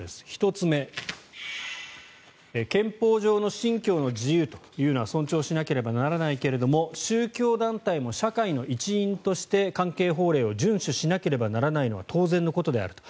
１つ目憲法上の信教の自由というのは尊重しなければならないけれども宗教団体も社会の一員として関係法令を順守しなければならないのは当然のことであると。